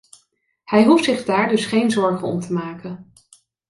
Hij hoeft zich daar dus geen zorgen om te maken.